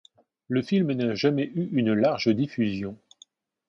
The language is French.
Le film n'a jamais eu une large diffusion.